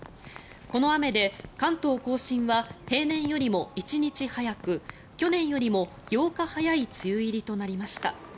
この雨で関東・甲信は平年よりも１日早く去年よりも８日早い梅雨入りとなりました。